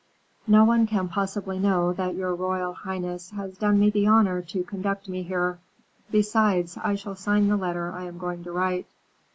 "No one can possibly know that your royal highness has done me the honor to conduct me here. Besides, I shall sign the letter I am going to write."